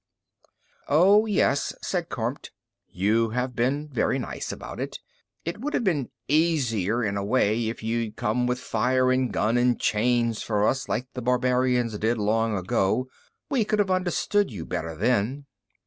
"Oh, yes," said Kormt. "You have been very nice about it. It would have been easier, in a way, if you'd come with fire and gun and chains for us, like the barbarians did long ago. We could have understood you better then."